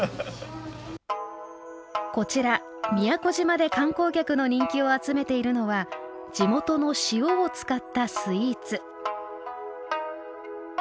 こちら宮古島で観光客の人気を集めているのは地元の塩を使ったスイーツ。